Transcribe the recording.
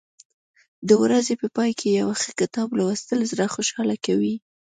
د ورځې په پای کې یو ښه کتاب لوستل زړه خوشحاله کوي.